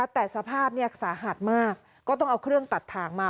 แต่สภาพสาหัสมากก็ต้องเอาเครื่องตัดถ่างมา